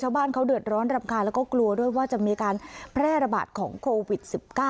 ชาวบ้านเขาเดือดร้อนรำคาญแล้วก็กลัวด้วยว่าจะมีการแพร่ระบาดของโควิด๑๙